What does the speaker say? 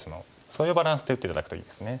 そういうバランスで打って頂くといいですね。